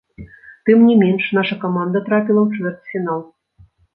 Тым не менш наша каманда трапіла ў чвэрцьфінал.